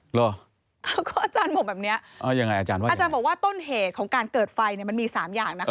เหรอก็อาจารย์บอกแบบนี้อาจารย์บอกว่าต้นเหตุของการเกิดไฟมันมี๓อย่าง